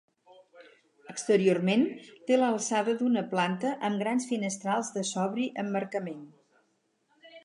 Exteriorment, té l'alçada d'una planta amb grans finestrals de sobri emmarcament.